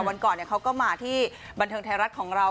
วันก่อนเขาก็มาที่บันเทิงไทยรัฐของเรา